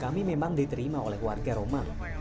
kami memang diterima oleh warga romang